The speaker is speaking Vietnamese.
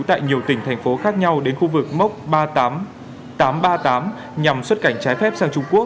tại nhiều tỉnh thành phố khác nhau đến khu vực mốc tám trăm ba mươi tám nhằm xuất cảnh trái phép sang trung quốc